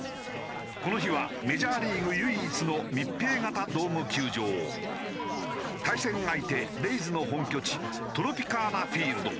この日はメジャーリーグ唯一の密閉型ドーム球場対戦相手レイズの本拠地トロピカーナ・フィールド。